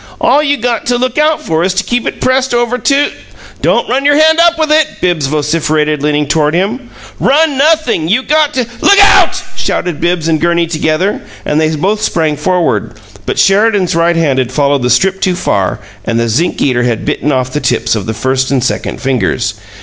"All you got to look out for is to keep it pressed over to " "Don't run your hand up with it," Bibbs vociferated, leaning toward him. "Run nothin'! You GOT to " "Look out!" shouted Bibbs and Gurney together, and they both sprang forward. But Sheridan's right hand had followed the strip too far, and the zinc eater had bitten off the tips of the first and second fingers.